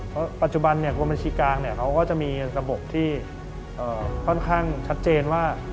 เพราะปัจจุบันกรมบัญชีกลางเขาก็จะมีระบบที่ค่อนข้างชัดเจนว่า